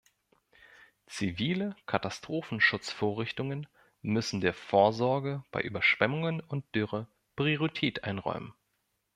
Zivile Katastrophenschutzvorrichtungen müssen der Vorsorge bei Überschwemmungen und Dürre Priorität einräumen.